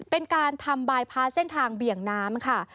เป็นการทำบายพาเส้นทางเบี่ยงน้ำค่ะ